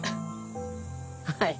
はい。